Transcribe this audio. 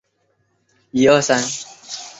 罹难人员的亲人第一次回到了坠机现场。